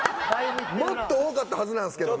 もっと多かったはずなんですけどね。